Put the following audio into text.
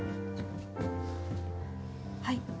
はい。